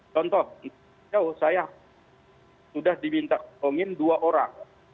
contoh saya sudah diminta tolongin dua orang